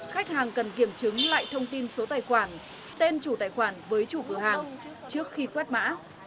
khách hàng cần kiểm chứng lại thông tin số tài khoản tên chủ tài khoản với chủ cửa hàng trước khi quét mã